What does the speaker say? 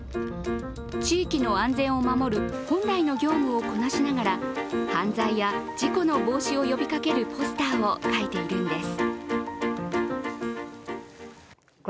地域の安全を守る本来の業務をこなしながら、犯罪や事故の防止を呼びかけるポスターを描いているんです。